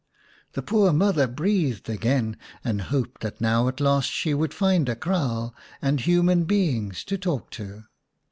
The poor mother breathed again, and hoped that now at last she would find a kraal and human beings to talk to.